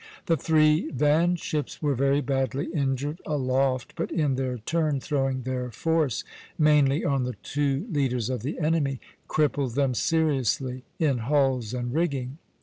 The three van ships were very badly injured aloft, but in their turn, throwing their force mainly on the two leaders of the enemy, crippled them seriously in hulls and rigging.